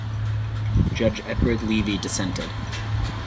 Judge Edward Leavy dissented.